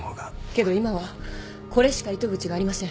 けど今はこれしか糸口がありません。